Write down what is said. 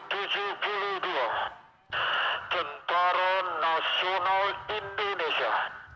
tentara nasional indonesia